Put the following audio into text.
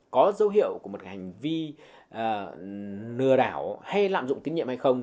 có dấu hiệu của một hành vi lừa đảo hay lạm dụng kinh nghiệm hay không